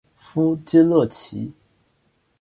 夫金乐琦。